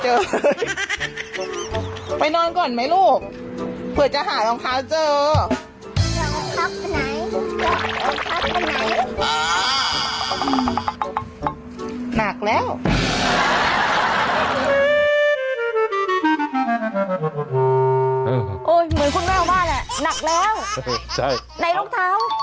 โอ้ยเหมือนคุณแม่ออกบ้านหนักแล้วในรองเท้า